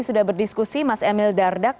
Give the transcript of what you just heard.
sudah berdiskusi mas emil dardak